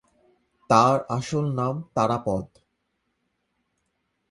তার আসল নাম তারাপদ।